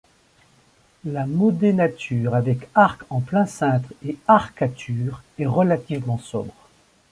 La modénature, avec arcs en plein cintre et arcatures, est relativement sobre.